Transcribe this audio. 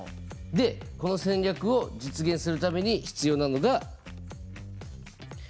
でこの戦略を実現するために必要なのがＫＰＩ。